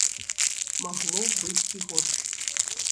Магло быць і горш.